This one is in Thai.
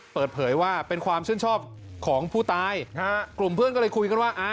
เปิดเผยว่าเป็นความชื่นชอบของผู้ตายกลุ่มเพื่อนก็เลยคุยกันว่าอ่า